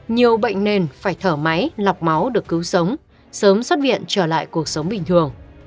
nhiều bệnh nền phải thở máy lọc máu được cứu sống sớm xuất viện trở lại cuộc sống bình thường